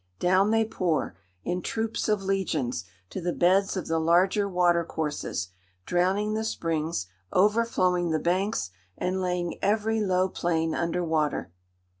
Down they pour, in troops of legions, to the beds of the larger water courses, "drowning the springs," overflowing the banks, and laying every low plain under water.